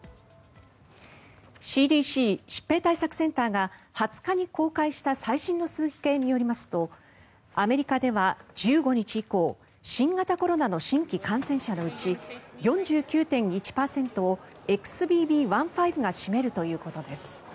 ＣＤＣ・疾病対策センターが２０日に公開した最新の推計によりますとアメリカでは１５日以降新型コロナの新規感染者のうち４９．１％をＸＢＢ．１．５が占めるということです。